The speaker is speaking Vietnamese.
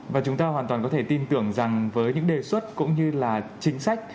và chúng ta hoàn toàn có thể tin tưởng rằng với những đề xuất cũng như là chính sách